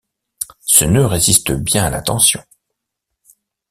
Ce nœud résiste bien à la tension.